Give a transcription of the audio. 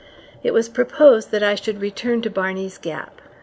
It was proposed that I should return to Barney's Gap.